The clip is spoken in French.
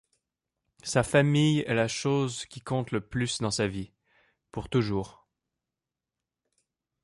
Sa famille est la chose qui compte le plus dans sa vie, pour toujours.